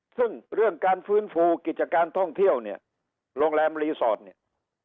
ซึ่งเรื่องการฟื้นฟูกิจการท่องเที่ยวเนี่ยโรงแรมรีสอร์ทเนี่ย